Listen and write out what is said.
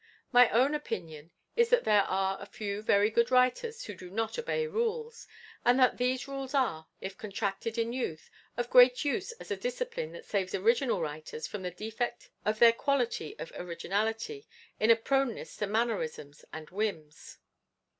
My own opinion is that there are very few good writers who do not obey rules; and that these rules are, if contracted in youth, of great use as a discipline that saves original writers from the defect of their quality of originality, in a proneness to mannerisms and whims.